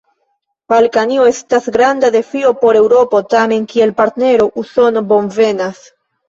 Balkanio estas granda defio por Eŭropo: tamen kiel partnero Usono bonvenas.